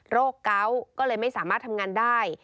เกาะก็เลยไม่สามารถทำงานได้